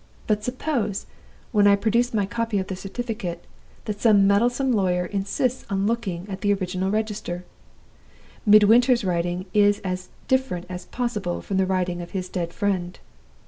But suppose, when I produce my copy of the certificate, that some meddlesome lawyer insists on looking at the original register? Midwinter's writing is as different as possible from the writing of his dead friend.